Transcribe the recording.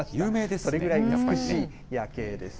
それぐらい美しい夜景です。